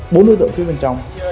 bốn đối tượng phía bên trong